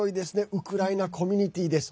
ウクライナコミュニティーです。